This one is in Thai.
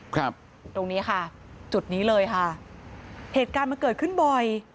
ครับตรงนี้ค่ะจุดนี้เลยค่ะเหตุการณ์มันเกิดขึ้นบ่อย